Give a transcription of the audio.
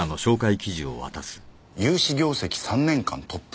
「融資業績３年間トップ」。